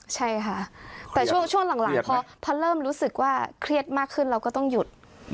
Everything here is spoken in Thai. ใช่ค่ะแต่ช่วงหลังพอเริ่มรู้สึกว่าเครียดมากขึ้นเราก็ต้องหยุด